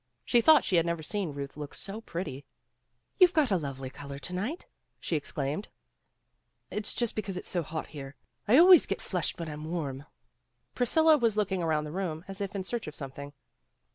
She thought she had never seen Ruth look so pretty. "You've got a lovely color to night," she ex claimed. "It's just because it's so hot here. I always get flushed when I'm warm." Priscilla was looking around the room as if in search of something.